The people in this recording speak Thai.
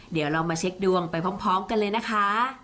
เดี๋ยวเรามาเช็คดวงไปพร้อมกันเลยนะคะ